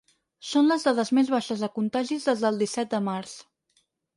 Són les dades més baixes de contagis des del disset de març.